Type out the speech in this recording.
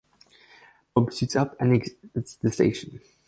Bob suits up and exits the station.